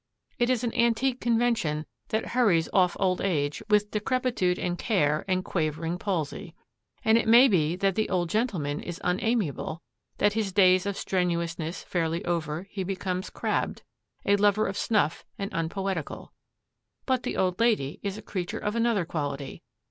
It is an antique convention that hurries off old age with decrepitude and care and quavering palsy. And it may be that the old gentleman is unamiable; that, his days of strenuousness fairly over, he becomes crabbed, a lover of snuff, and unpoetical. But the old lady is a creature of another quality.